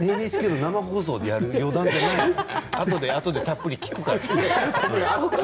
ＮＨＫの生放送でやる余談じゃないのあとでたっぷり聞くから。